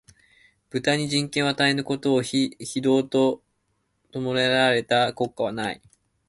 豚に人権を与えぬことを、非道と謗られた国家はない